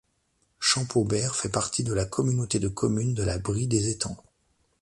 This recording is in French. Champaubert fait partie de la communauté de communes de la Brie des Étangs.